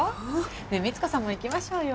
ねえ三津子さんも行きましょうよ。